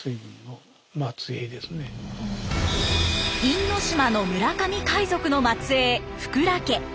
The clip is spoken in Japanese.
因島の村上海賊の末えい福羅家。